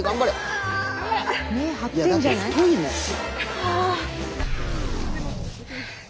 はあ。